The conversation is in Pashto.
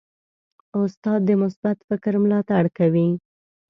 استاد د مثبت فکر ملاتړ کوي.